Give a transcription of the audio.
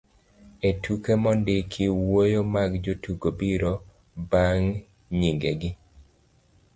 e tuke mondiki, wuoyo mag jotugo biro bang' nying'egi